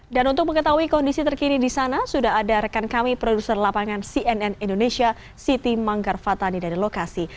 dan untuk mengetahui kondisi terkini di sana sudah ada rekan kami produser lapangan cnn indonesia siti manggarvatani dari lokasi